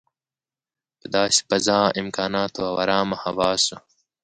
په داسې فضا، امکاناتو او ارامه حواسو.